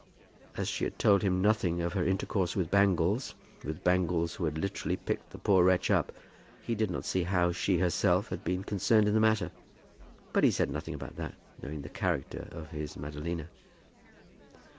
As she had told him nothing of her intercourse with Bangles, with Bangles who had literally picked the poor wretch up, he did not see how she herself had been concerned in the matter; but he said nothing about that, knowing the character of his Madalina.